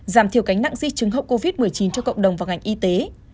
giảm thiểu cánh nặng di chứng hốc covid một mươi chín cho cộng đồng và ngành y tế